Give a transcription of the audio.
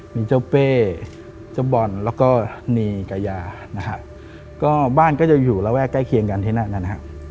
มีเจ้าเป้เจ้าบอลแล้วก็นีกายานะฮะก็บ้านก็จะอยู่ระแวกใกล้เคียงกันที่นั่นนะฮะ